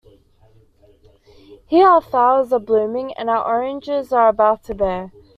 Here our flowers are blooming and our oranges are about to bear.